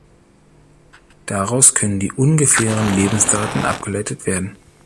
Daraus können die ungefähren Lebensdaten abgeleitet werden.